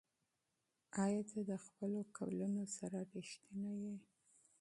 ایا ته د خپلو ژمنو سره صادق یې؟